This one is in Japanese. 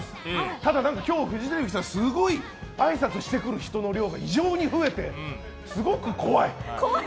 ただなんか今日フジテレビさんすごいあいさつしてくる人の量が異常に増えて、すごく怖い。